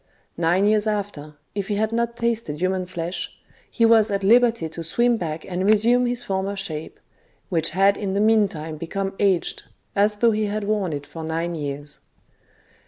Nine years after, if he had' not tasted human flesh, he was at liberty to swim back and resume his former shape, which had in the meantime become aged, as though he had worn it for nine years.